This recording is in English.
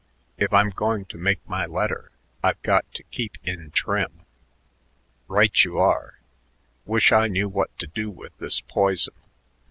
If I'm going to make my letter, I've got to keep in trim." "Right you are. Wish I knew what to do with this poison.